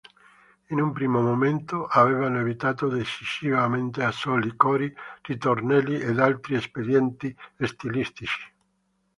In un primo momento, avevano evitato decisamente assoli, cori, ritornelli ed altri espedienti stilistici.